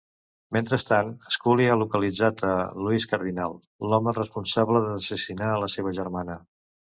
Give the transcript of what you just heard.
Mentrestant, Scully ha localitzat a Luis Cardinal, l'home responsable d'assassinar a la seva germana.